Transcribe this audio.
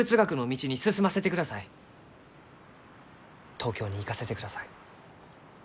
東京に行かせてください。